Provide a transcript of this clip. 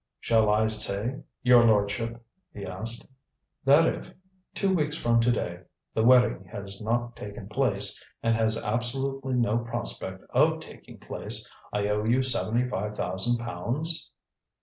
"Shall I say, your lordship," he asked, "that if, two weeks from to day the wedding has not taken place, and has absolutely no prospect of taking place, I owe you seventy five thousand pounds?"